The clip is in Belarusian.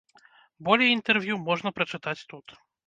Болей інтэрв'ю можна прачытаць тут.